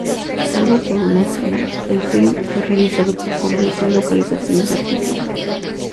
Salvo por una escena, el film fue realizado por completo en localizaciones argentinas.